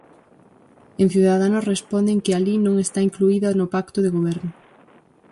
En Ciudadanos responden que alí non está incluída no pacto de goberno.